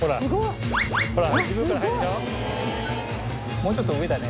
もうちょっと上だね